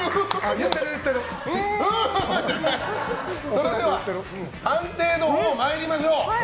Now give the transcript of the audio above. それでは判定のほう参りましょう。